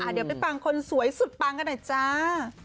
เดี๋ยวไปฟังคนสวยสุดปังกันหน่อยจ้า